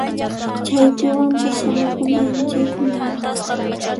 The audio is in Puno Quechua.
Chaypiwanpas samakunanchismi